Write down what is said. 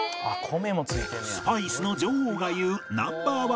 スパイスの女王が言うナンバー１